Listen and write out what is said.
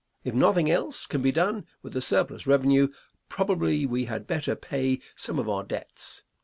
If nothing else can be done with the surplus revenue, probably we had better pay some of our debts.